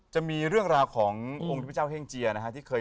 จะมีเรื่องราวขององค์เทพเจ้าเฮงเจีย